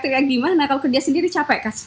teriak gimana kalau kerja sendiri capek